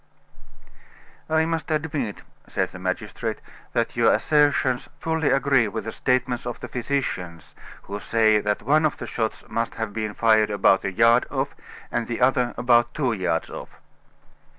"I must admit," said the magistrate, "that your assertions fully agree with the statements of the physicians, who say that one of the shots must have been fired about a yard off, and the other about two yards off."